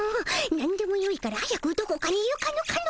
なんでもよいから早くどこかに行かぬかの。